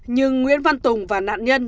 nhưng nguyễn văn tùng và nạn nhân